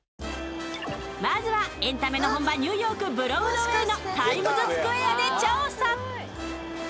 まずはエンタメの本場、ニューヨーク・ブロードウェイのタイムズスクエアで調査。